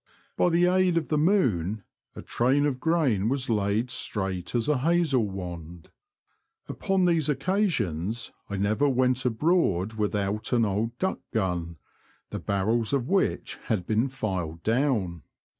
By the aid of the moon a train of grain was laid straight as a hazel wand. Upon these occasions I never went abroad without an old duck gun, the barrels of which had been filed down.